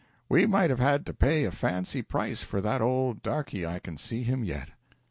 We might have had to pay a fancy price for that old darky I can see him yet."